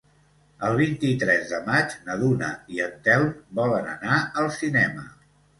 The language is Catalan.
El vint-i-tres de maig na Duna i en Telm volen anar al cinema.